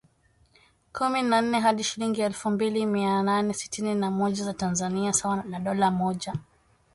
kumi na nne hadi shilingi elfu mbili mia nane sitini na moja za Tanzania sawa dola mmoja